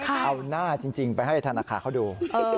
เอาหน้าจริงไปให้ธนาคารเขาดู